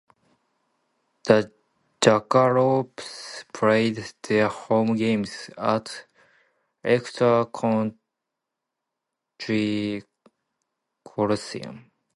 The Jackalopes played their home games at Ector County Coliseum.